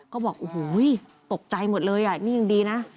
ก็บอกโอ้โหตกใจหมดเลยอ่ะนี่ยังดีนะ